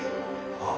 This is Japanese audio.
ああ。